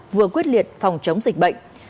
vừa quyết liệt phòng chống dịch bệnh